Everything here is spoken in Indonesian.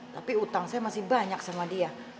tapi utang saya masih banyak sama dia